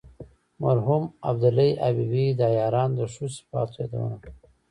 مرحوم عبدالحی حبیبي د عیارانو د ښو صفاتو یادونه کوي.